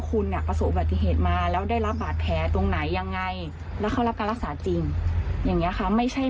คนไข้ไม่เข้าใจก็ต้องอธิบายให้เขาเข้าใจ